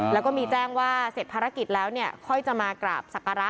แล้วก็มีแจ้งว่าเสร็จภารกิจแล้วเนี่ยค่อยจะมากราบศักระ